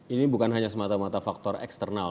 ini bukan hanya semata mata faktor eksternal